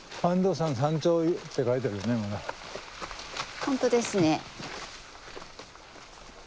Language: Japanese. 本当ですね。